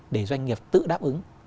để doanh nghiệp tự đáp ứng